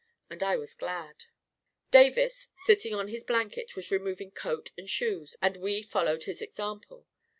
And I was glad Davis, sitting on his blanket, was removing coat and shoes, and. we followed his example.